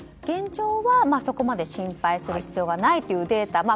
現状は、そこまで心配する必要はないというデータ。